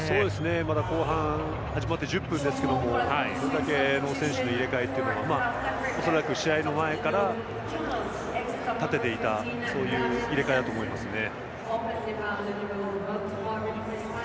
まだ後半始まって１０分ですけどもこれだけの選手の入れ替えは恐らく試合の前から立てていた入れ替えだと思いますね。